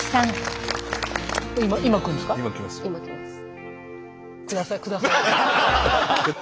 今来ます。